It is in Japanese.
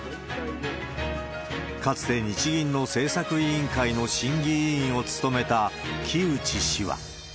かつて日銀の政策委員会の審議委員を務めた木内氏は。